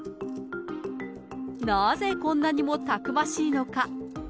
なぜこんなにもたくましいのか。